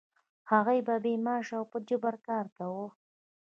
هغوی به بې معاشه او په جبر کار کاوه.